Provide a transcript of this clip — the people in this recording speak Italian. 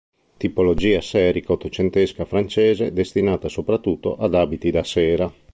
Tipologia serica ottocentesca francese, destinata soprattutto ad abiti da sera.